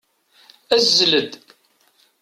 Azzel-d!